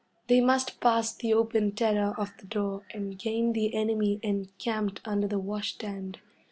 They must pass the open terror of the door and gain the enemy encamped under the wash stand.